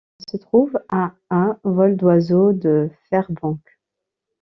Elle se trouve à à vol d'oiseau de Fairbanks.